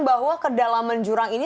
bahwa kedalaman jurang ini